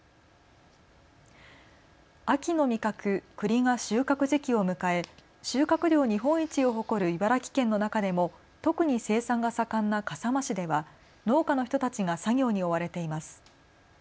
秋の味覚、くりが収穫時期を迎え収穫量日本一を誇る茨城県の中でも特に生産が盛んな笠間市では農家の人たちが作業に追われています。